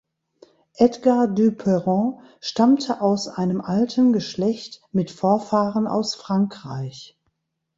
Edgar du Perron stammte aus einem alten Geschlecht mit Vorfahren aus Frankreich.